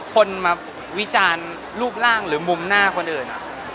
คนมาวิจารณ์รูปร่างหรือมุมหน้าคนอื่น